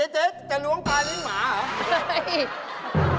เจ๊จะล้วงตายกินกลัวม้าอ่ะ